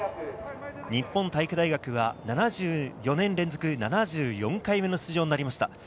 日本体育大学は７４年連続７４回目の出場となりました